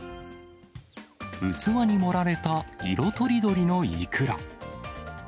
器に盛られた色とりどりのイクラ。